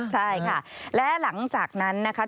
ใช่ค่ะและหลังจากนั้นนะคะ